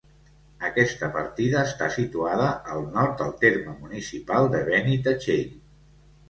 Aquesta partida està situada al nord del terme municipal de Benitatxell.